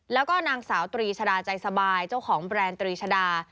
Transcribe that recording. แล้วก็นางสาวตรีชดาใจสบายเจ้าของแบรนด์ตรีชดา